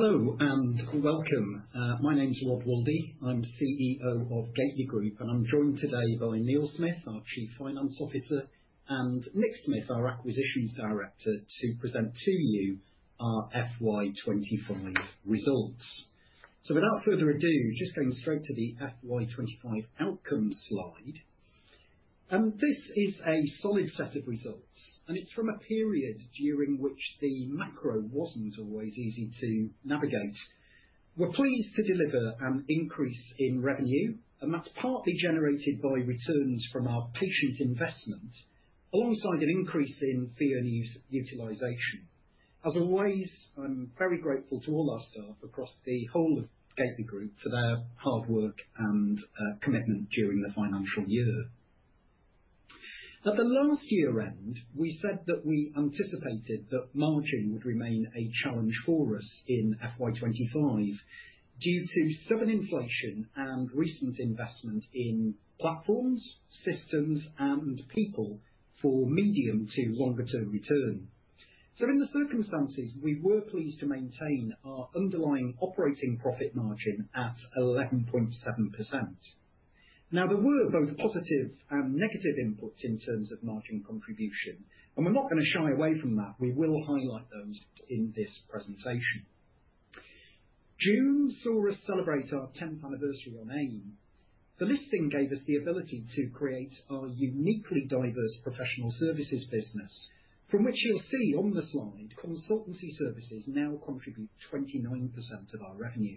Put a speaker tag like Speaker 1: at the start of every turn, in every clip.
Speaker 1: Hello and welcome. My name's Rod Waldie. I'm CEO of Gateley Group, and I'm joined today by Neil Smith, our Chief Financial Officer, and Nick Smith, our Acquisitions Director, to present to you our FY25 results. Without further ado, just going straight to the FY25 outcome slide. This is a solid set of results, and it's from a period during which the macro-economic conditions weren't always easy to navigate. We're pleased to deliver an increase in revenue, and that's partly generated by returns from our patient investments, alongside an increase in fee utilization. As always, I'm very grateful to all our staff across the whole of Gateley Group for their hard work and commitment during the financial year. At the last year's end, we said that we anticipated that margin would remain a challenge for us in FY25 due to sudden inflation and recent investment in platforms, systems, and people for medium to longer-term return. In the circumstances, we were pleased to maintain our underlying operating profit margin at 11.7%. There were both positive and negative inputs in terms of margin contribution, and we're not going to shy away from that. We will highlight those in this presentation. June saw us celebrate our 10th anniversary on AIM. The listing gave us the ability to create our uniquely diversified professional services model, from which you'll see on the slide, consultancy services now contribute 29% of our revenue.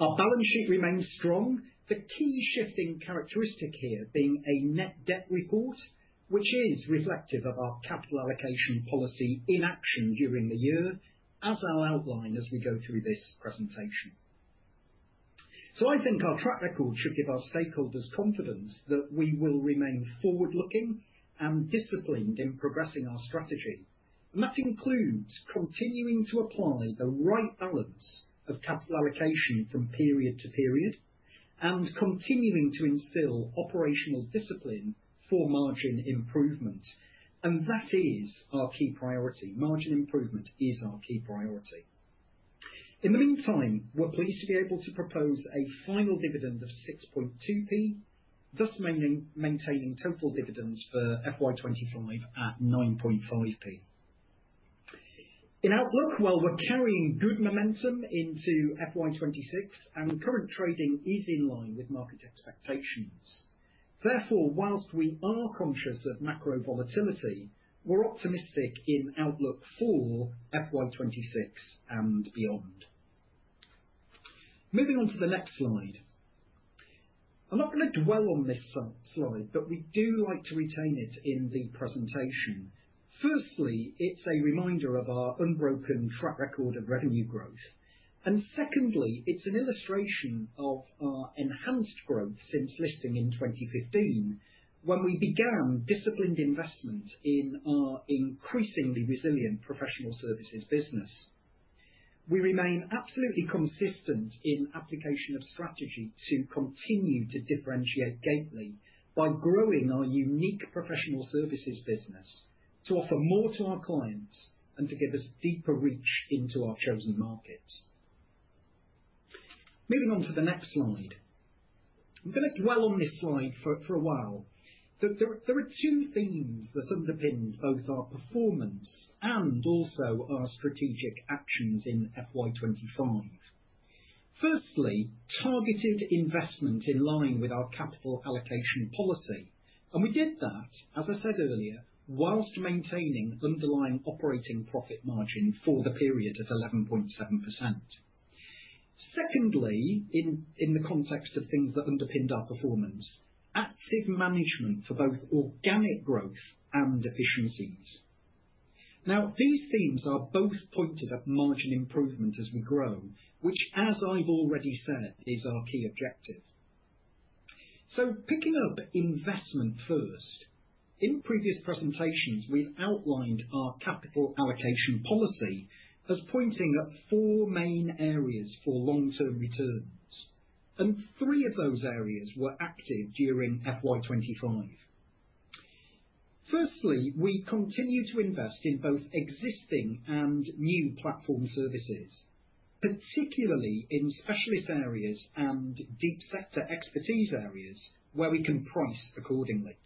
Speaker 1: Our balance sheet remains strong, the key shifting characteristic here being a net debt report, which is reflective of our capital allocation policy in action during the year, as I'll outline as we go through this presentation. I think our track record should give our stakeholders confidence that we will remain forward-looking and disciplined in progressing our strategy. That includes continuing to apply the right balance of capital allocation from period to period and continuing to instill operational discipline for margin improvement. That is our key priority. Margin improvement is our key priority. In the meantime, we're pleased to be able to propose a final dividend of 0.062, thus maintaining total dividends for FY25 at 0.095. In outlook, we're carrying good momentum into FY26, and current trading is in line with market expectations. Therefore, whilst we are conscious of macro-economic volatility, we're optimistic in outlook for FY26 and beyond. Moving on to the next slide. I'm not going to dwell on this slide, but we do like to retain it in the presentation. Firstly, it's a reminder of our unbroken track record of revenue growth. Secondly, it's an illustration of our enhanced growth since listing in 2015, when we began disciplined investments in our increasingly resilient professional services business. We remain absolutely consistent in application of strategy to continue to differentiate Gateley by growing our unique professional services business to offer more to our clients and to give us deeper reach into our chosen market. Moving on to the next slide. I'm going to dwell on this slide for a while. There are two themes that underpin both our performance and also our strategic actions in FY25. Firstly, targeted investment in line with our capital allocation policy. We did that, as I said earlier, whilst maintaining underlying operating profit margin for the period of 11.7%. Secondly, in the context of things that underpin our performance, active management for both organic growth and efficiencies. These themes are both pointed at margin improvement as we grow, which, as I've already said, is our key objective. Picking up investment first, in previous presentations, we've outlined our capital allocation policy as pointing at four main areas for long-term returns. Three of those areas were active during FY25. Firstly, we continue to invest in both existing and new platform services, particularly in specialist areas and deep sector expertise areas where we can price accordingly.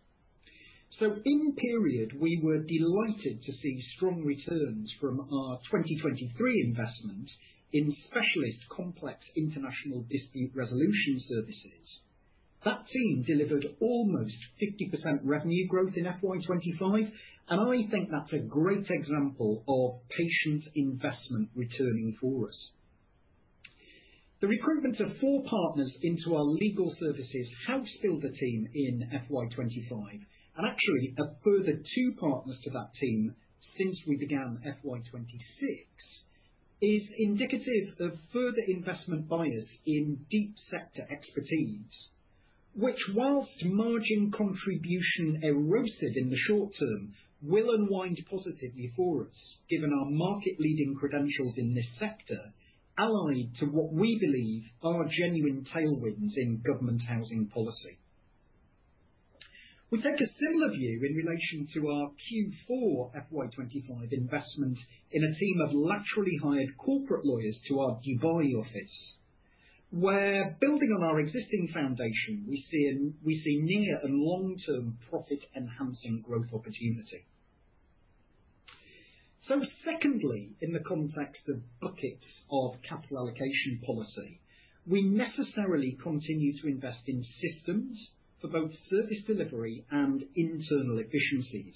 Speaker 1: In period, we were delighted to see strong returns from our 2023 investment in specialist complex international dispute resolution services. That team delivered almost 50% revenue growth in FY25, and I think that's a great example of patient investment returning forward. The recruitment of four partners into our legal services house filled the team in FY25, and actually a further two partners to that team since we began FY26, is indicative of further investment bias in deep sector expertise, which, whilst margin contribution erosive in the short term, will unwind positively for us, given our market-leading credentials in this sector, allied to what we believe are genuine tailwinds in government housing policy. We take a similar view in relation to our Q4 FY25 investment in a team of laterally hired corporate lawyers to our Dubai office, where, building on our existing foundation, we see near and long-term profit-enhancing growth opportunity. Secondly, in the context of buckets of capital allocation policy, we necessarily continue to invest in systems for both service delivery and internal efficiencies.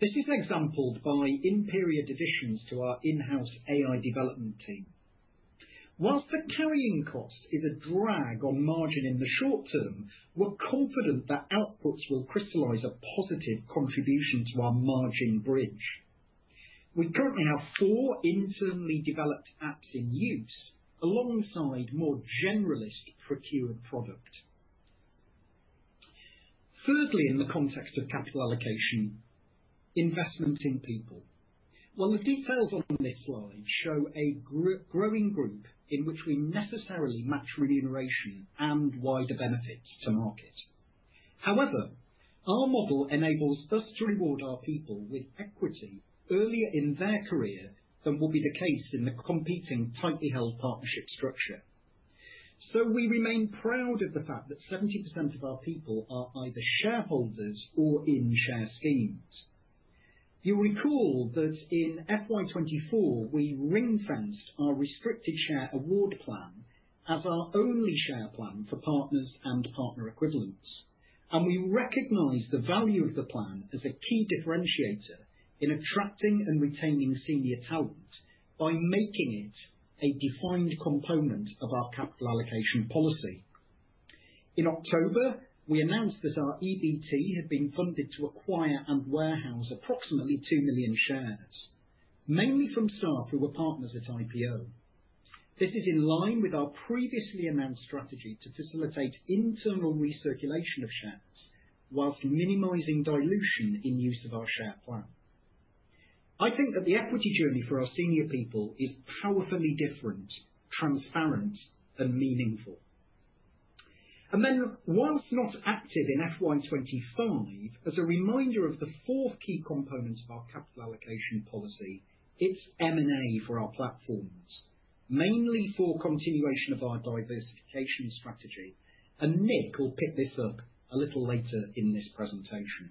Speaker 1: This is exampled by in-period additions to our in-house AI development team. Whilst the carrying cost is a drag on margin in the short term, we're confident that outputs will crystallize a positive contribution to our margin bridge. We currently have four internally developed apps in use, alongside more generalist procured product. Thirdly, in the context of capital allocation, investment in people. The details on this slide show a growing group in which we necessarily match remuneration and wider benefits to market. However, our model enables us to reward our people with equity earlier in their career than will be the case in the competing tightly held partnership structure. We remain proud of the fact that 70% of our people are either shareholders or in share schemes. You'll recall that in FY24, we ring-fenced our restricted share award plan as our only share plan for partners and partner equivalents. We recognize the value of the plan as a key differentiator in attracting and retaining senior talent by making it a defined component of our capital allocation policy. In October, we announced that our EBT had been funded to acquire and warehouse approximately 2 million shares, mainly from staff who were partners at IPO. This is in line with our previously announced strategy to facilitate internal recirculation of shares, whilst minimizing dilution in use of our share plan. I think that the equity journey for our senior people is powerfully different, transparent, and meaningful. Whilst not active in FY25, as a reminder of the four key components of our capital allocation policy, it's M&A for our platforms, mainly for continuation of our diversification strategy. Nick will pick this up a little later in this presentation.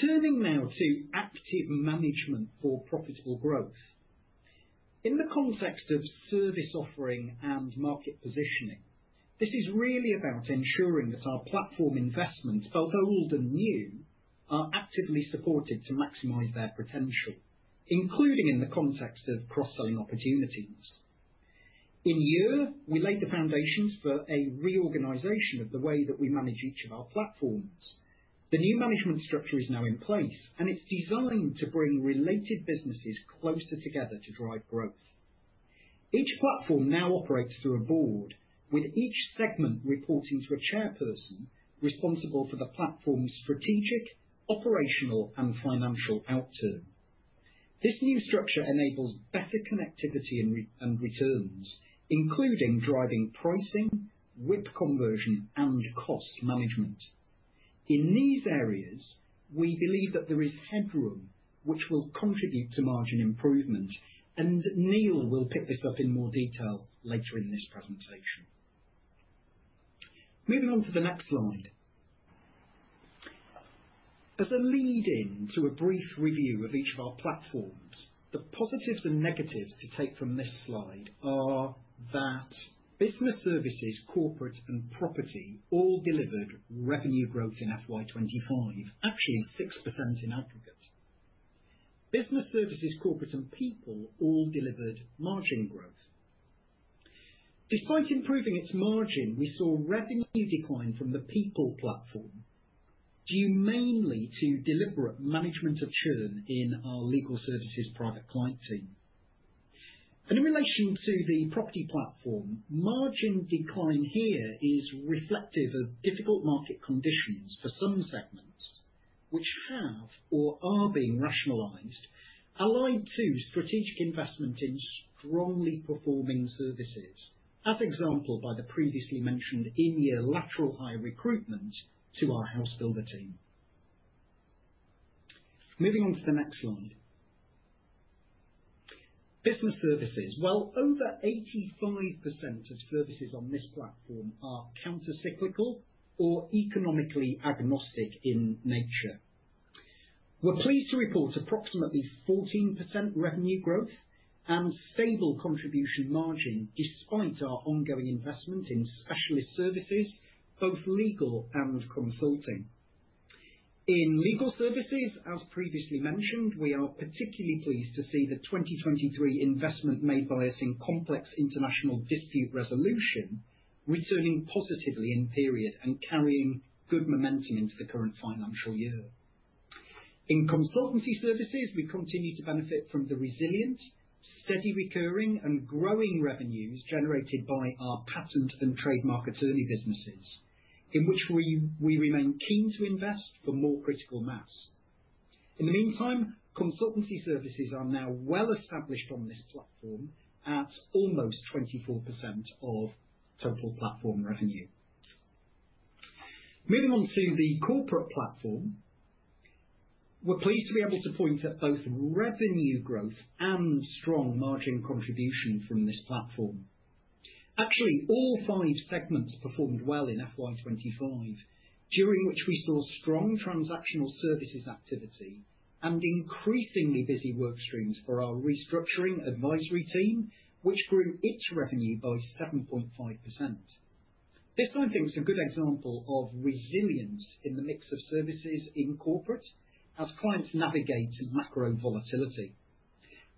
Speaker 1: Turning now to active management for profitable growth. In the context of service offering and market positioning, this is really about ensuring that our platform investments, both old and new, are actively supported to maximize their potential, including in the context of cross-selling opportunities. In a year, we laid the foundations for a reorganization of the way that we manage each of our platforms. The new management structure is now in place, and it's designed to bring related businesses closer together to drive growth. Each platform now operates through a board, with each segment reporting to a chairperson responsible for the platform's strategic, operational, and financial outcome. This new structure enables better connectivity and returns, including driving pricing, WIP conversion, and cost management. In these areas, we believe that there is headroom, which will contribute to margin improvements, and Neil will pick this up in more detail later in this presentation. Moving on to the next slide. As a lead-in to a brief review of each of our platforms, the positives and negatives to take from this slide are that business services, corporate, and property all delivered revenue growth in FY25, actually 6% in aggregate. Business services, corporate, and people all delivered margin growth. Despite improving its margin, we saw revenues decline from the people platform, due mainly to deliberate management of churn in our legal services private client team. In relation to the property platform, margin decline here is reflective of difficult market conditions for some segments, which have or are being rationalized, aligned to strategic investment in strongly performing services, as exampled by the previously mentioned in-year lateral hire recruitment to our house builder team. Moving on to the next slide. Business services, over 85% of services on this platform are countercyclical or economically agnostic in nature. We're pleased to report approximately 14% revenue growth and stable contribution margin despite our ongoing investment in specialist services, both legal and consulting. In legal services, as previously mentioned, we are particularly pleased to see the 2023 investment made by us in complex international dispute resolution returning positively in period and carrying good momentum into the current financial year. In consultancy services, we continue to benefit from the resilience, steady recurring, and growing revenues generated by our patent and trademark attorney businesses, in which we remain keen to invest for more critical mass. In the meantime, consultancy services are now well established on this platform at almost 24% of total platform revenue. Moving on to the corporate platform, we're pleased to be able to point at both revenue growth and strong margin contributions from this platform. Actually, all five segments performed well in FY25, during which we saw strong transactional services activity and increasingly busy work streams for our restructuring advisory team, which grew its revenue by 7.5%. This I think is a good example of resilience in the mix of services in corporate as clients navigate macro volatility.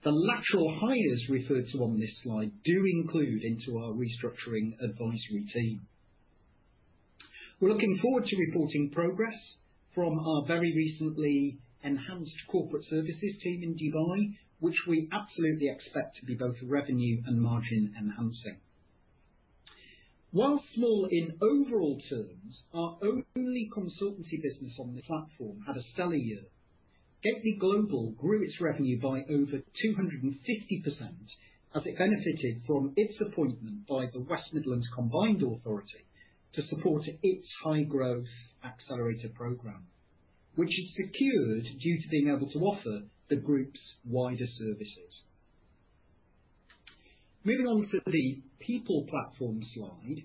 Speaker 1: The lateral hires referred to on this slide do include into our restructuring advisory team. We're looking forward to reporting progress from our very recently enhanced corporate services team in Dubai, which we absolutely expect to be both revenue and margin enhancing. Whilst more in overall terms, our only consultancy business on the platform had a selling year. Gateley Global grew its revenue by over 250% as it benefited from its appointment by the West Midlands Combined Authority to support its high-growth accelerator program, which is secured due to being able to offer the group's wider services. Moving on to the people platform slide.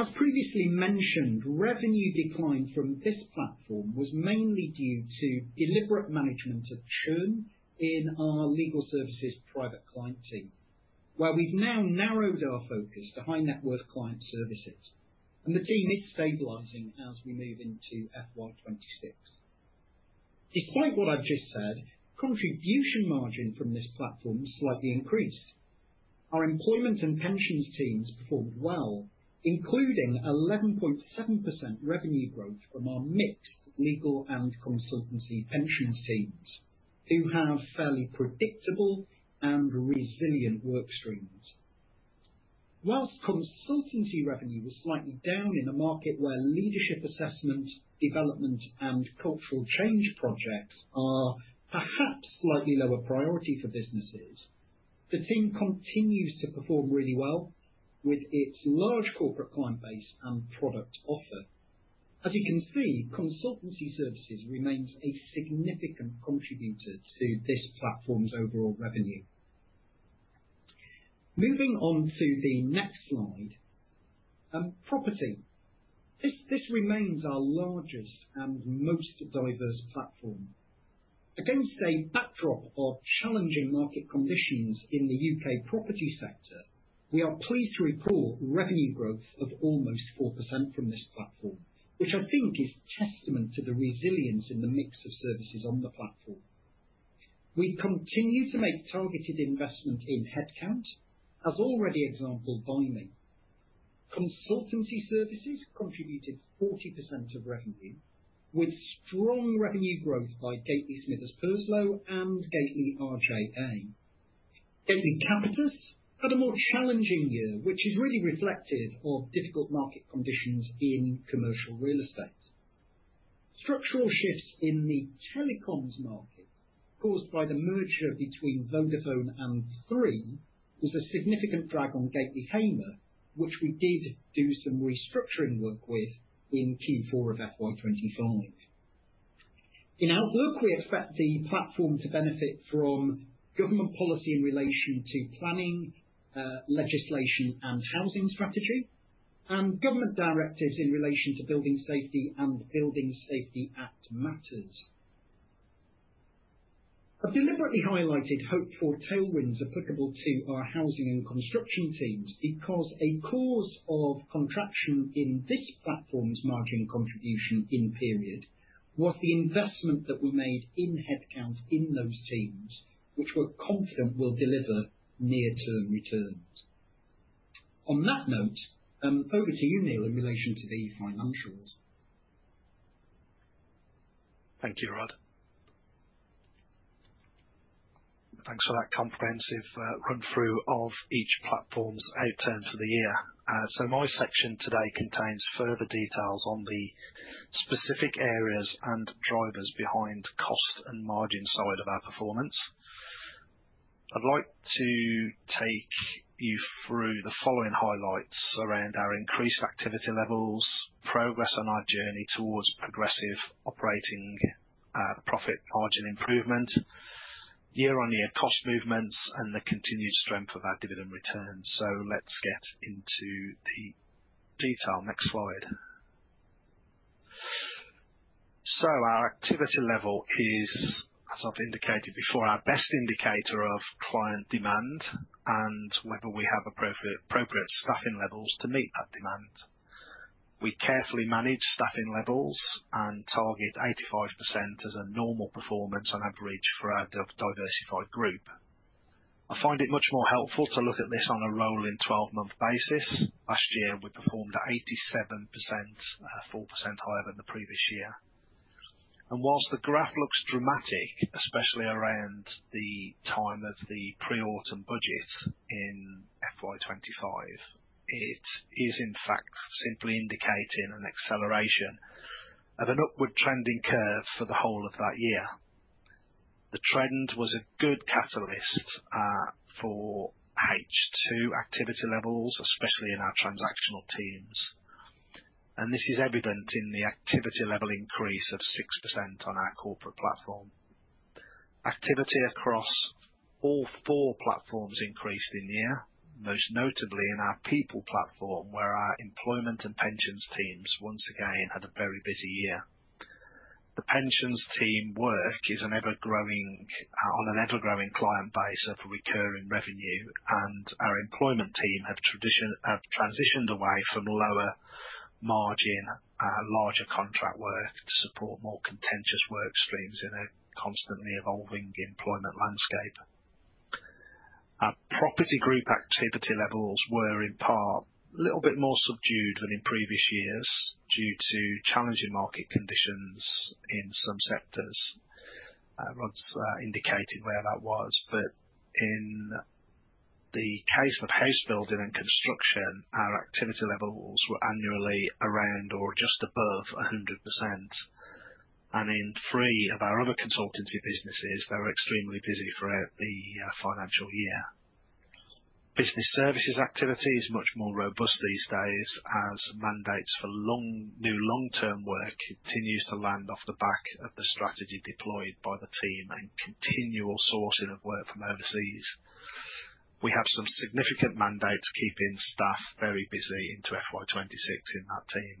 Speaker 1: As previously mentioned, revenue decline from this platform was mainly due to deliberate management of churn in our legal services private client team, where we've now narrowed our focus to high-net-worth client services. The team is stabilizing as we move into FY26. Despite what I've just said, contribution margin from this platform slightly increased. Our employment and pensions teams performed well, including 11.7% revenue growth from our mixed legal and consultancy pensions teams, who have fairly predictable and resilient work streams. Whilst consultancy revenue was slightly down in a market where leadership assessments, development, and cultural change projects are perhaps slightly lower priority for businesses, the team continues to perform really well with its large corporate client base and product offer. As you can see, consultancy services remain a significant contributor to this platform's overall revenue. Moving on to the next slide, property. This remains our largest and most diverse platform. Against a backdrop of challenging market conditions in the U.K. property sector, we are pleased to report revenue growth of almost 4% from this platform, which I think is a testament to the resilience in the mix of services on the platform. We continue to make targeted investment in headcount, as already exampled by me. Consultancy services contributed 40% of revenue, with strong revenue growth by Gateley Smithers Purslow and Gateley RJA. Gateley Capitus had a more challenging year, which is really reflective of difficult market conditions in commercial real estate. Structural shifts in the telecoms market caused by the merger between Vodafone and Three were a significant drag on Gateley Hamer, which we did do some restructuring work with in Q4 of FY25. In outlook, we expect the platform to benefit from government policy in relation to planning, legislation, and housing strategy, and government directives in relation to Building Safety and Building Safety Act matters. I've deliberately highlighted hoped-for tailwinds applicable to our housing and construction teams because a cause of contraction in this platform's margin contribution in period was the investment that we made in headcount in those teams, which we're confident will deliver near-term returns. On that note, over to you, Neil, in relation to the financials.
Speaker 2: Thank you, Rod. Thanks for that comprehensive run-through of each platform's outcomes for the year. My section today contains further details on the specific areas and drivers behind the cost and margin side of our performance. I'd like to take you through the following highlights around our increased activity levels, progress on our journey towards progressive operating profit margin improvement, year-on-year cost movements, and the continued strength of our dividend returns. Let's get into the detail next slide. Our activity level is, as I've indicated before, our best indicator of client demand and whether we have appropriate staffing levels to meet that demand. We carefully manage staffing levels and target 85% as a normal performance on average for our diversified group. I find it much more helpful to look at this on a rolling 12-month basis. Last year, we performed at 87%, 4% higher than the previous year. Whilst the graph looks dramatic, especially around the time of the pre-Autumn budgets in FY25, it is in fact simply indicating an acceleration of an upward trending curve for the whole of that year. The trend was a good catalyst for H2 activity levels, especially in our transactional teams. This is evident in the activity level increase of 6% on our corporate platform. Activity across all four platforms increased in year, most notably in our people platform, where our employment and pensions teams once again had a very busy year. The pensions team work is on an ever-growing client base of recurring revenue, and our employment team have transitioned away from lower margin, larger contract work to support more contentious work streams in a constantly evolving employment landscape. Our property group activity levels were in part a little bit more subdued than in previous years due to challenging market conditions in some sectors. Rod's indicated where that was, but in the case of house building and construction, our activity levels were annually around or just above 100%. In three of our other consultancy businesses, they were extremely busy throughout the financial year. Business services activity is much more robust these days as mandates for new long-term work continues to land off the back of the strategy deployed by the team and continual sourcing of work from overseas. We have some significant mandates keeping staff very busy into FY26 in that team.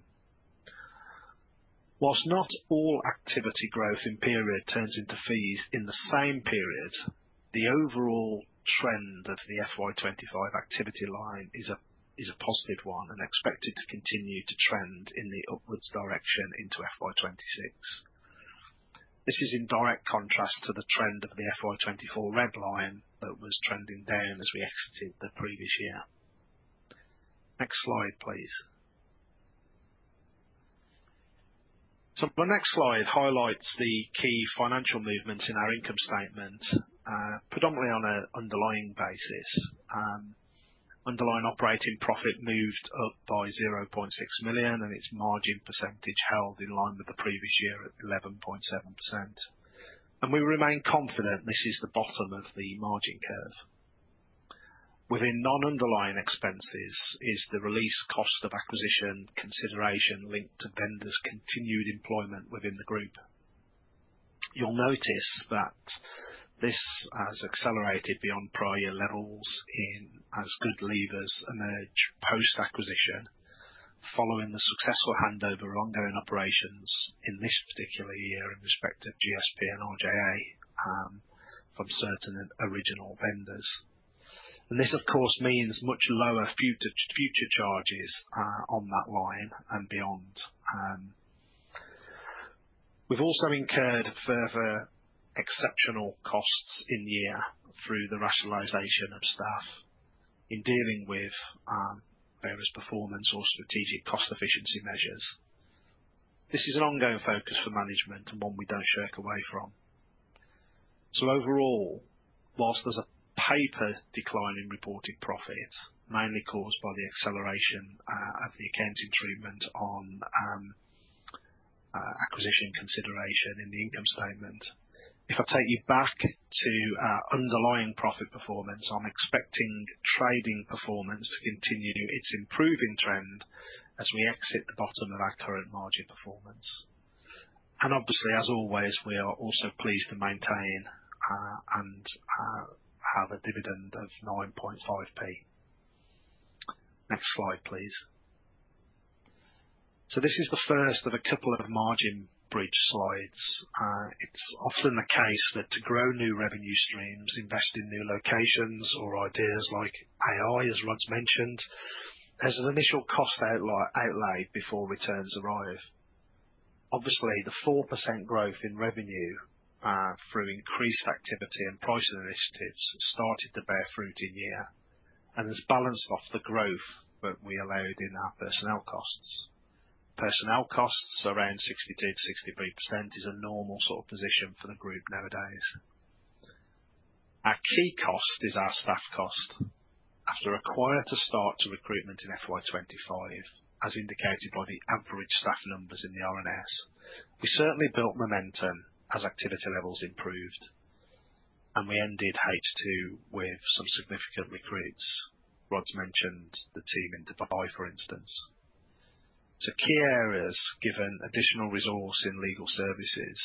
Speaker 2: Whilst not all activity growth in period turns into fees in the same period, the overall trend of the FY25 activity line is a positive one and expected to continue to trend in the upwards direction into FY26. This is in direct contrast to the trend of the FY24 red line that was trending down as we exited the previous year. Next slide, please. My next slide highlights the key financial movements in our income statement, predominantly on an underlying basis. Underlying operating profit moved up by 0.6 million, and its margin percentage held in line with the previous year at 11.7%. We remain confident this is the bottom of the margin curve. Within non-underlying expenses is the release cost of acquisition consideration linked to vendors' continued employment within the group. You'll notice that this has accelerated beyond prior levels as good levers emerge post-acquisition following the successful handover of ongoing operations in this particular year in respect of GSP and RJA, from certain original vendors. This, of course, means much lower future charges on that line and beyond. We've also incurred further exceptional costs in the year through the rationalization of staff in dealing with various performance or strategic cost efficiency measures. This is an ongoing focus for management and one we don't shirk away from. Overall, whilst there's a paper decline in reported profits, mainly caused by the acceleration of the accounts in treatment on acquisition consideration in the income statement, if I take you back to underlying profit performance, I'm expecting trading performance to continue its improving trend as we exit the bottom of our current margin performance. Obviously, as always, we are also pleased to maintain and have a dividend of 9.5p. Next slide, please. This is the first of a couple of margin bridge slides. It's often the case that to grow new revenue streams, invest in new locations or ideas like AI, as Rod's mentioned, there's an initial cost outlay before returns arrive. The 4% growth in revenue, through increased activity and pricing initiatives, started to bear fruit in year and has balanced off the growth that we allowed in our personnel costs. Personnel costs around 60%-63% is a normal sort of position for the group nowadays. Our key cost is our staff cost. Required to start to recruitment in FY25, as indicated by the average staff numbers in the R&S, we certainly built momentum as activity levels improved. We ended H2 with some significant recruits. Rod's mentioned the team in Dubai, for instance. Key areas given additional resource in legal services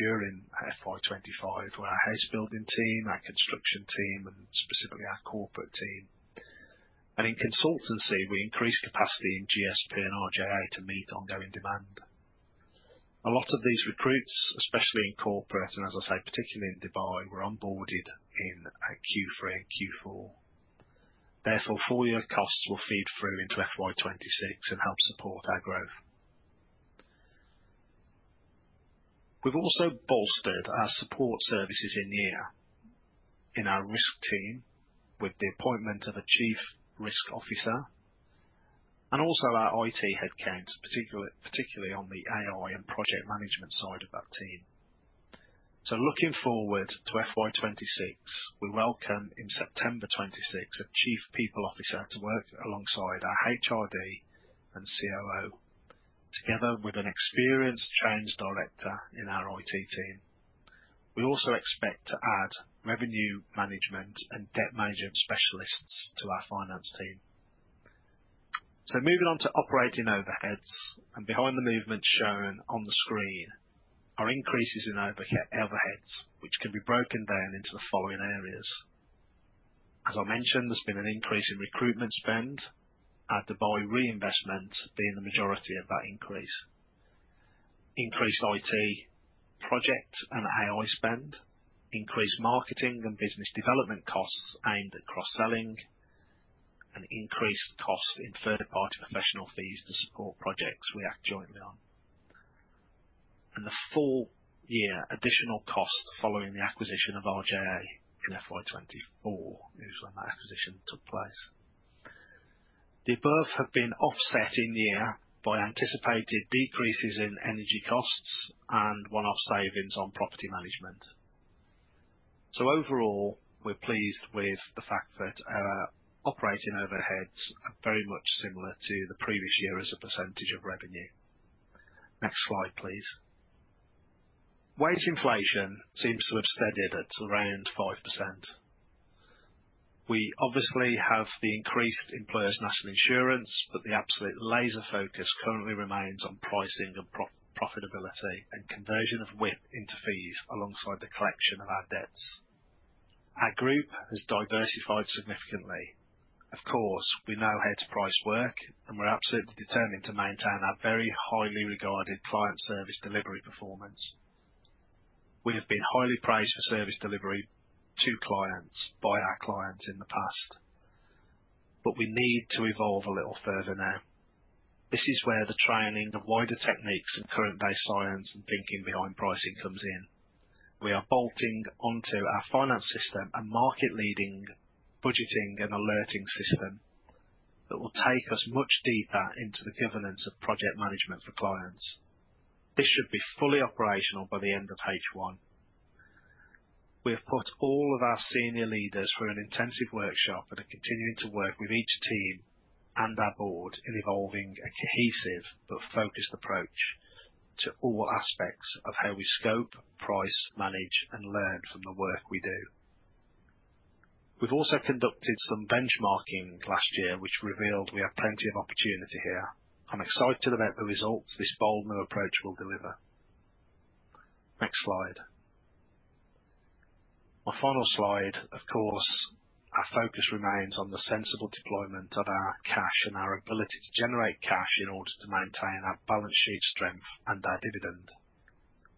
Speaker 2: during FY25 were our house building team, our construction team, and specifically our corporate team. In consultancy, we increased capacity in GSP and RJA to meet ongoing demand. A lot of these recruits, especially in corporate, and as I say, particularly in Dubai, were onboarded in Q3 and Q4. Therefore, full-year costs will feed through into FY26 and help support our growth. We've also bolstered our support services in the year in our risk team with the appointment of a Chief Risk Officer and also our IT headcount, particularly on the AI and project management side of that team. Looking forward to FY26, we welcome in September 2026 a Chief People Officer to work alongside our HRD and COO, together with an experienced Change Director in our IT team. We also expect to add revenue management and debt management specialists to our finance team. Moving on to operating overheads, behind the movements shown on the screen are increases in overheads, which can be broken down into the following areas. As I mentioned, there's been an increase in recruitment spend, our Dubai reinvestment being the majority of that increase, increased IT project and AI spend, increased marketing and business development costs aimed at cross-selling, and increased costs in third-party professional fees to support projects we act jointly on. The full-year additional costs following the acquisition of RJA in FY24 is when that acquisition took place. The above have been offset in year by anticipated decreases in energy costs and one-off savings on property management. Overall, we're pleased with the fact that our operating overheads are very much similar to the previous year as a percentage of revenue. Next slide, please. Wage inflation seems to have steadied at around 5%. We obviously have the increased employer's national insurance, but the absolute laser focus currently remains on pricing of profitability and conversion of WIP into fees alongside the collection of our debt. Our group has diversified significantly. Of course, we know how to price work, and we're absolutely determined to maintain our very highly regarded client service delivery performance. We have been highly praised for service delivery to clients by our clients in the past. We need to evolve a little further now. This is where the training, the wider techniques, and current-based science and thinking behind pricing comes in. We are bolting onto our finance system a market-leading budgeting and alerting system that will take us much deeper into the governance of project management for clients. This should be fully operational by the end of H1. We have put all of our senior leaders through an intensive workshop and are continuing to work with each team and our board in evolving a cohesive but focused approach to all aspects of how we scope, price, manage, and learn from the work we do. We've also conducted some benchmarking last year, which revealed we have plenty of opportunity here. I'm excited about the results this bold new approach will deliver. Next slide. My final slide, of course, our focus remains on the sensible deployment of our cash and our ability to generate cash in order to maintain our balance sheet strength and our dividend.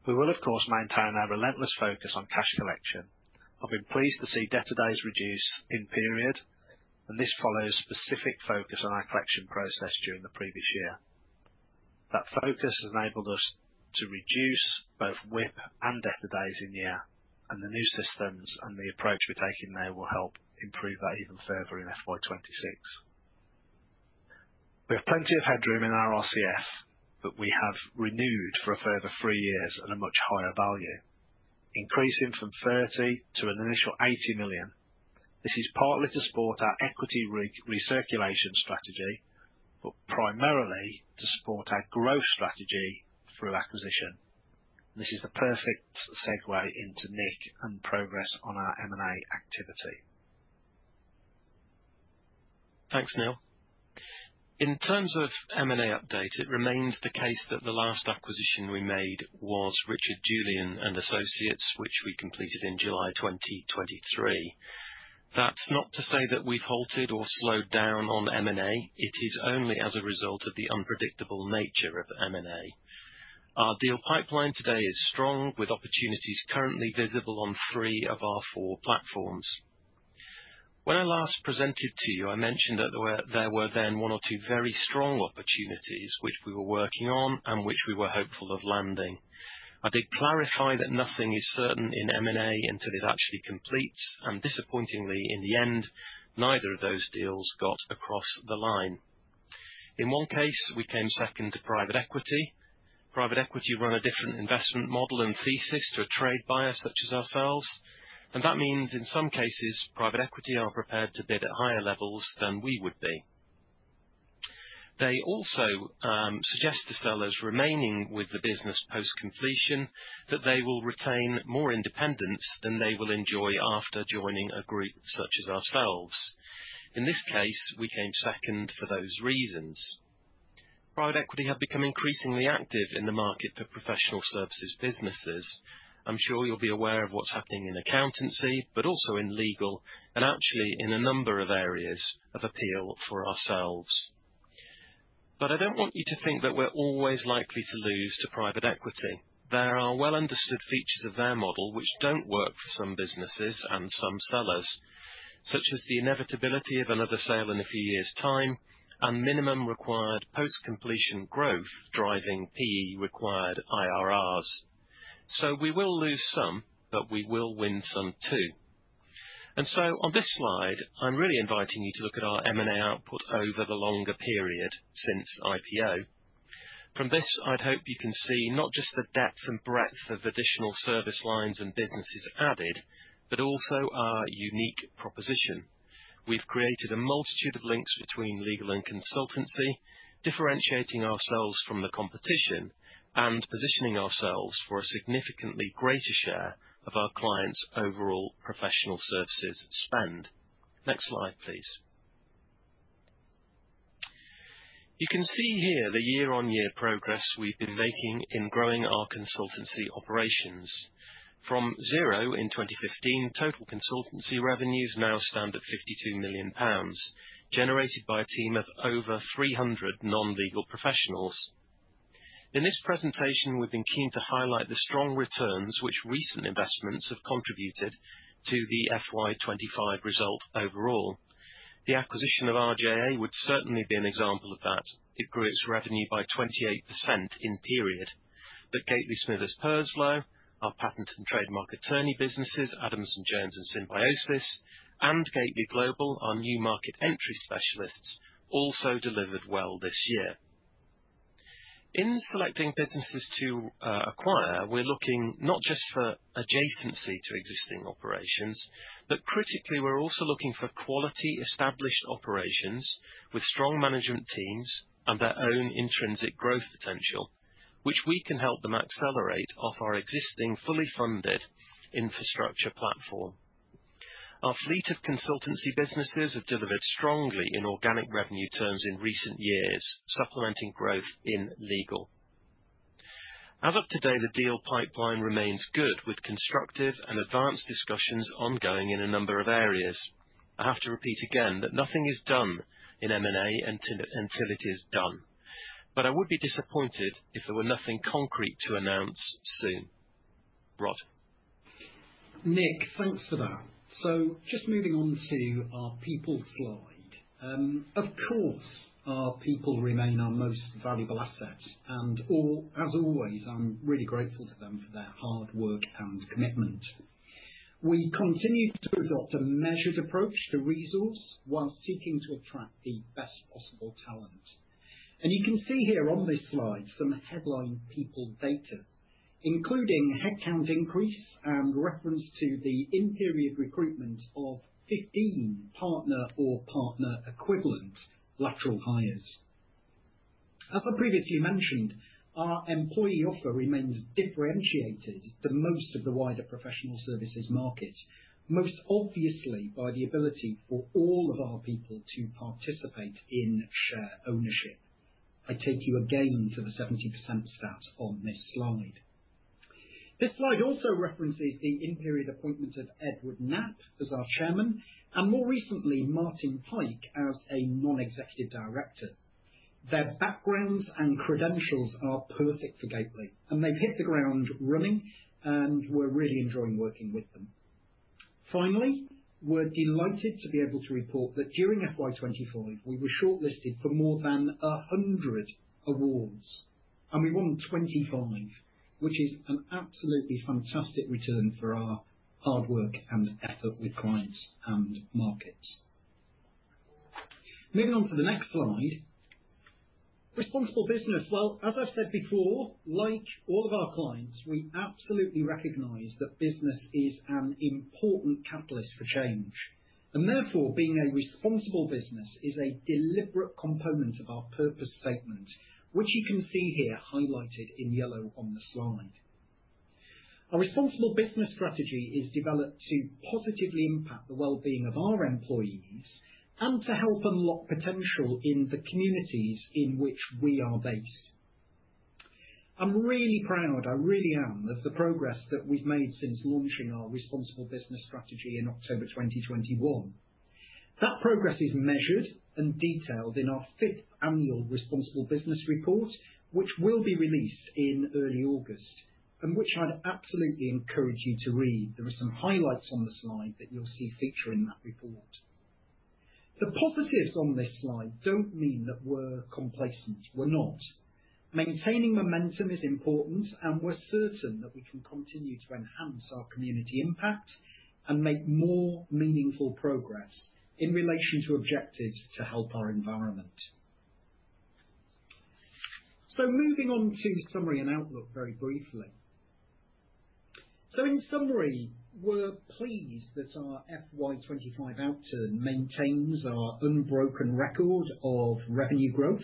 Speaker 2: We will, of course, maintain our relentless focus on cash collection. I've been pleased to see debt to days reduce in period, and this follows specific focus on our collection process during the previous year. That focus has enabled us to reduce both WIP and debt to days in year, and the new systems and the approach we're taking now will help improve that even further in FY26. We have plenty of headroom in our RCS, but we have renewed for a further three years at a much higher value, increasing from 30 million to an initial 80 million. This is partly to support our equity recirculation strategy, but primarily to support our growth strategy through acquisition. This is the perfect segue into Nick and progress on our M&A activity.
Speaker 3: Thanks, Neil. In terms of M&A update, it remains the case that the last acquisition we made was Richard Julian & Associates Ltd, which we completed in July 2023. That's not to say that we've halted or slowed down on M&A. It is only as a result of the unpredictable nature of M&A. Our deal pipeline today is strong, with opportunities currently visible on three of our four platforms. When I last presented to you, I mentioned that there were then one or two very strong opportunities which we were working on and which we were hopeful of landing. I did clarify that nothing is certain in M&A until it's actually complete, and disappointingly, in the end, neither of those deals got across the line. In one case, we came second to private equity. Private equity run a different investment model and thesis to a trade buyer such as ourselves, and that means in some cases private equity are prepared to bid at higher levels than we would be. They also suggest to sellers remaining with the business post-completion that they will retain more independence than they will enjoy after joining a group such as ourselves. In this case, we came second for those reasons. Private equity have become increasingly active in the market for professional services businesses. I'm sure you'll be aware of what's happening in accountancy, also in legal, and actually in a number of areas of appeal for ourselves. I don't want you to think that we're always likely to lose to private equity. There are well-understood features of their model which don't work for some businesses and some sellers, such as the inevitability of another sale in a few years' time and minimum required post-completion growth driving PE-required IRRs. We will lose some, but we will win some too. On this slide, I'm really inviting you to look at our M&A output over the longer period since IPO. From this, I'd hope you can see not just the depth and breadth of additional service lines and businesses added, but also our unique proposition. We've created a multitude of links between legal and consultancy, differentiating ourselves from the competition and positioning ourselves for a significantly greater share of our clients' overall professional services spend. Next slide, please. You can see here the year-on-year progress we've been making in growing our consultancy operations. From zero in 2015, total consultancy revenues now stand at 52 million pounds, generated by a team of over 300 non-legal professionals. In this presentation, we've been keen to highlight the strong returns which recent investments have contributed to the FY25 result overall. The acquisition of RJA would certainly be an example of that. It grew its revenue by 28% in period. Gateley Smithers Purslow, our patent and trademark attorney businesses, Adamson Jones and Symbiosis, and Gateley Global, our new market entry specialists, also delivered well this year. In selecting businesses to acquire, we're looking not just for adjacency to existing operations, but critically, we're also looking for quality established operations with strong management teams and their own intrinsic growth potential, which we can help them accelerate off our existing fully funded infrastructure platform. Our fleet of consultancy businesses have delivered strongly in organic revenue terms in recent years, supplementing growth in legal. As of today, the deal pipeline remains good, with constructive and advanced discussions ongoing in a number of areas. I have to repeat again that nothing is done in M&A until it is done. I would be disappointed if there were nothing concrete to announce soon. Rod.
Speaker 1: Nick, thanks for that. Just moving on to our people slide. Of course, our people remain our most valuable asset, and as always, I'm really grateful to them for their hard work and commitment. We continue to adopt a measured approach to resource while seeking to attract the best possible talent. You can see here on this slide some headline people data, including headcount increase and reference to the in-period recruitment of 15 partner or partner equivalent lateral hires. As I previously mentioned, our employee offer remains differentiated from most of the wider professional services market, most obviously by the ability for all of our people to participate in share ownership. I take you again to the 70% stats on this slide. This slide also references the in-period appointment of Edward Knapp as our Chairman, and more recently, Martin Pike as a Non-Executive Director. Their backgrounds and credentials are perfect for Gateley, and they've hit the ground running, and we're really enjoying working with them. Finally, we're delighted to be able to report that during FY25, we were shortlisted for more than 100 awards, and we won 25, which is an absolutely fantastic return for our hard work and effort with clients and market. Moving on to the next slide. Responsible business. As I said before, like all of our clients, we absolutely recognize that business is an important catalyst for change. Therefore, being a responsible business is a deliberate component of our purpose statement, which you can see here highlighted in yellow on the slide. Our responsible business strategy is developed to positively impact the well-being of our employees and to help unlock potential in the communities in which we are based. I'm really proud, I really am, of the progress that we've made since launching our responsible business strategy in October 2021. That progress is measured and detailed in our fifth annual responsible business report, which will be released in early August, and which I'd absolutely encourage you to read. There are some highlights on the slide that you'll see feature in that report. The positives on this slide don't mean that we're complacent. We're not. Maintaining momentum is important, and we're certain that we can continue to enhance our community impact and make more meaningful progress in relation to objectives to help our environment. Moving on to summary and outlook very briefly. In summary, we're pleased that our FY25 outcome maintains our unbroken record of revenue growth.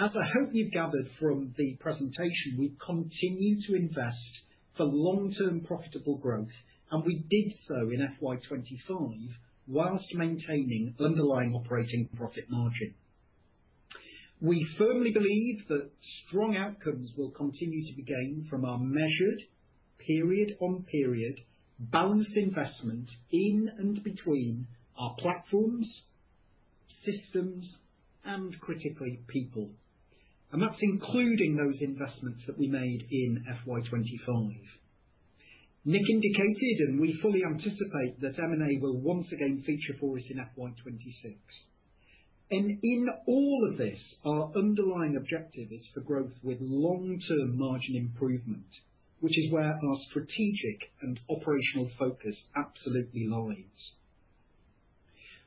Speaker 1: As I hope you've gathered from the presentation, we continue to invest for long-term profitable growth, and we did so in FY25 whilst maintaining underlying operating profit margin. We firmly believe that strong outcomes will continue to be gained from our measured, period-on-period balanced investments in and between our platforms, systems, and critically, people. That's including those investments that we made in FY25. Nick indicated, and we fully anticipate that M&A will once again feature for us in FY26. In all of this, our underlying objective is for growth with long-term margin improvement, which is where our strategic and operational focus absolutely lies.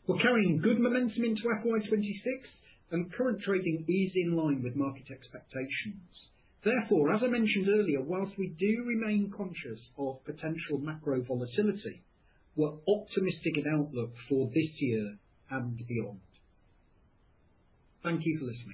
Speaker 1: We're carrying good momentum into FY26, and current trading is in line with market expectations. Therefore, as I mentioned earlier, whilst we do remain conscious of potential macro volatility, we're optimistic in outlook for this year and beyond. Thank you for listening.